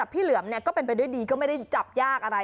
เหลือมก็เป็นไปด้วยดีก็ไม่ได้จับยากอะไร